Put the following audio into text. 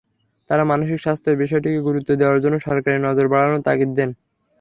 তাঁরা মানসিক স্বাস্থ্যের বিষয়টিকে গুরুত্ব দেওয়ার জন্য সরকারের নজর বাড়ানোর তাগিদ দেন।